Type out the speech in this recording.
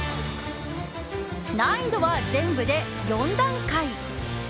難易度は全部で４段階。